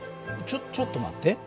ちょちょっと待って。